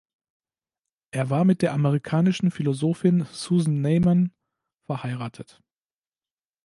Er war mit der amerikanischen Philosophin Susan Neiman verheiratet.